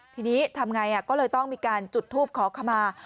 ทีนี้ทำไงก็เลยต้องมีการจุดทูปขอขมา